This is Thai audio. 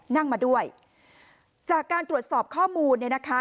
นั่งมาด้วยจากการตรวจสอบข้อมูลเนี่ยนะคะ